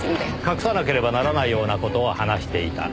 隠さなければならないような事を話していた。